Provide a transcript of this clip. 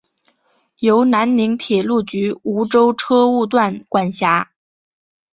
由南宁铁路局梧州车务段管辖。